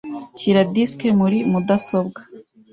Shyira disiki muri mudasobwa .